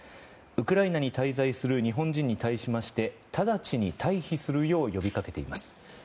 ウクライナに滞在する日本人に対しまして直ちに退避するよう呼び掛けています。